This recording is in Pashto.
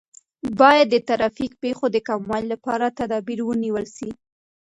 باید د ترافیکي پیښو د کموالي لپاره تدابیر ونیول سي.